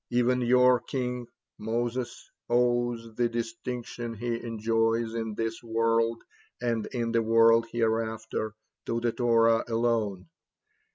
Even your king, Moses, owes the distinction he enjoys in this world and in the world hereafter to the Torah alone.